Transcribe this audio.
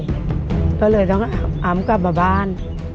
ก็เลยต้องอำกลับมาบ้าน